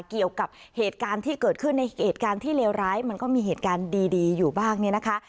เกี่ยวกับเหตุการณ์ที่เกิดขึ้นในเหตุการณ์ที่เลวร้ายมันก็มีเหตุการณ์ดีอยู่บ้างเนี่ยนะคะ